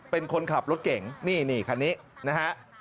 เป็นคนขับรถเก่งนี่คันนี้นะฮะ